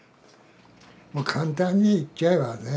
簡単に言っちゃえばね